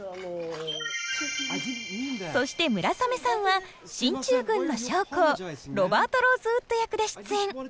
そして村雨さんは進駐軍の将校ロバート・ローズウッド役で出演。